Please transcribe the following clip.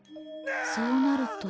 そうなると」。